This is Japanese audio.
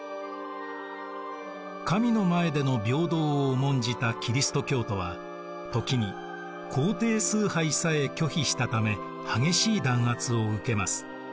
神の前での平等を重んじたキリスト教徒は時に皇帝崇拝さえ拒否したため激しい弾圧を受けます。